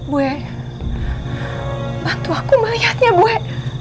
buwe bantu aku melihatnya buwe